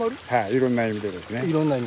いろんな意味でですね。